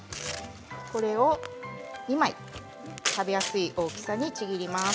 これを２枚食べやすい大きさにちぎります。